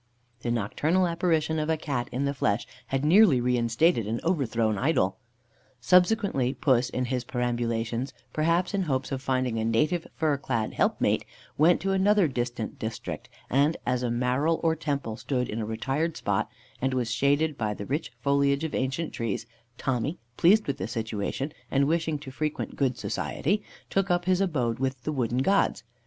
The nocturnal apparition of a Cat in the flesh had nearly reinstated an overthrown idol. Subsequently, Puss, in his perambulations, perhaps in hopes of finding a native fur clad helpmate, went to another distant district; and as a maral or temple stood in a retired spot, and was shaded by the rich foliage of ancient trees, Tommy, pleased with the situation, and wishing to frequent good society, took up his abode with the wooden gods.